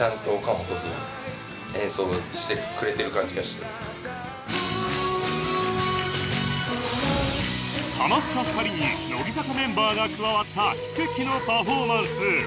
「もう」ハマスカ２人に乃木坂メンバーが加わった奇跡のパフォーマンス